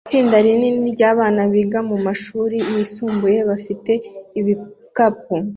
Itsinda rinini ryabana biga mumashuri yisumbuye bafite ibikapu